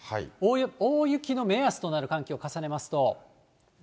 大雪の目安となる寒気を重ねますと。